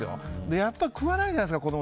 やっぱり食わないじゃないですか。